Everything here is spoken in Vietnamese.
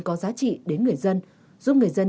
có giá trị đến người dân giúp người dân